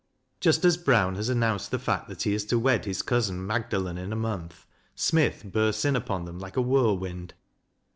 Just as Brown has announced the fact that he is to wed his cousin Magdalen in a month, Smith bursts in upon them like a whirlwind.